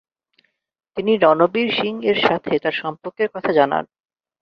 তিনি রণবীর সিং-এর সাথে তার সম্পর্কের কথা জানান।